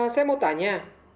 saya mau tanya